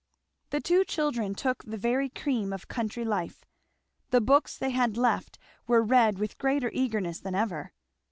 The two children took the very cream of country life. The books they had left were read with greater eagerness than ever.